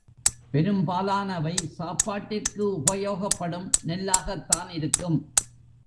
பெரும்பாலானவை சாப்பாட்டிற்கு உபயோகப்படும் நெல்லாகத்தான் இருக்கும்.